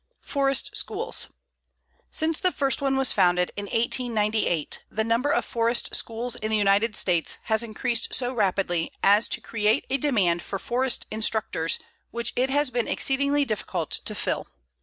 FOREST SCHOOLS Since the first one was founded in 1898, the number of forest schools in the United States has increased so rapidly as to create a demand for forest instructors which it has been exceedingly difficult to fill.